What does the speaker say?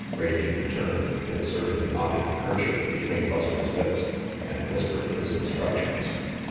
Rangy returned, inserted a knotted kerchief between Buzzard's lips, and whispered his instructions.